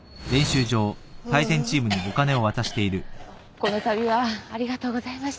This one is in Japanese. このたびはありがとうございました